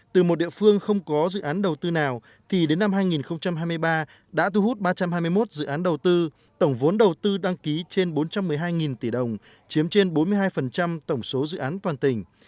từ một địa phương không có dự án đầu tư nào thì đến năm hai nghìn hai mươi ba đã thu hút ba trăm hai mươi một dự án đầu tư tổng vốn đầu tư đăng ký trên bốn trăm một mươi hai tỷ đồng chiếm trên bốn mươi hai tổng số dự án toàn tỉnh